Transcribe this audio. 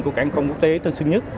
của cảng công quốc tế tân sơn nhất